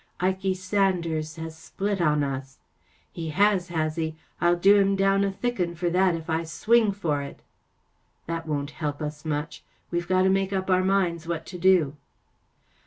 " Ikey Sanders has split on us." " He has, has he? I'll do him down a thick 'un for that if I swing for it." " That won't help us much. We've got to make up our minds what to do."